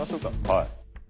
はい。